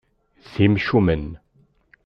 D imcumen.